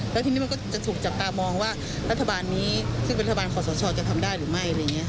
และทีนี้มันก็จะถูกจับตามองว่ารัฐบาลนี้คือรัฐบาลขอสนชอบจะทำได้หรือไม่